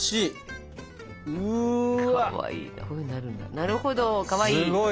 なるほどかわいい。